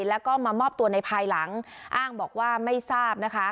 แล้วก็มามอบตัวในภายหลังอ้างบอกว่าไม่ทราบนะคะ